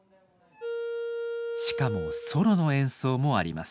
しかもソロの演奏もあります。